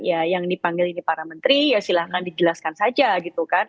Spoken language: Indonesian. ya yang dipanggil ini para menteri ya silahkan dijelaskan saja gitu kan